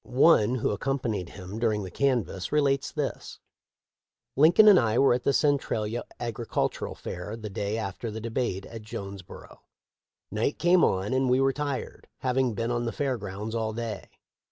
One who accompanied him during the canvass* relates this: "Lincoln and I were at the Centralia agricultural fair the day after the debate at Jones boro. Night came on and we were tired, having been on the fair grounds all day.